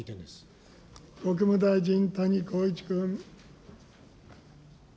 国務大臣、谷公一君。